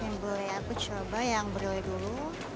krim bule aku coba yang berulit dulu